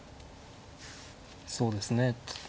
そうですね。